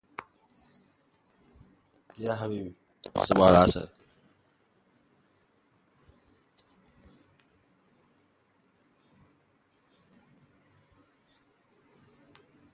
Originally a road bridge it is now restricted to pedestrians.